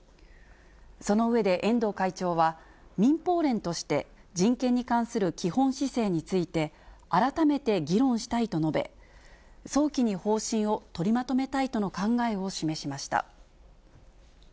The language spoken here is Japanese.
その上で、遠藤会長は、民放連として、人権に関する基本姿勢について、改めて議論したいと述べ、早期に方針を取りまとめたいとの考えを示しました。